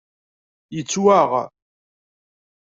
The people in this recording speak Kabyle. Yettwaɣ?